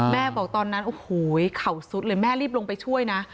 บอกตอนนั้นโอ้โหเข่าสุดเลยแม่รีบลงไปช่วยนะ